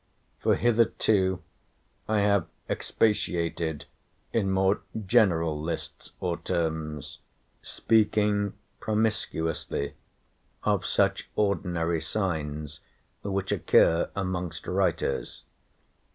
For hitherto I have expatiated in more general lists or terms, speaking promiscuously of such ordinary signs, which occur amongst writers.